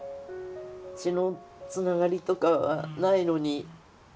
血のつながりとかはないのに。